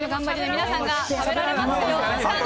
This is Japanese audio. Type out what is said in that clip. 三浦さんの頑張りで皆さんが食べられますよ。